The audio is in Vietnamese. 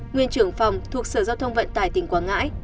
nguyên trưởng phòng thuộc sở giao thông vận tải tỉnh quảng ngãi